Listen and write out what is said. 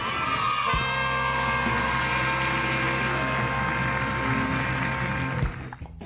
ขอบคุณครับ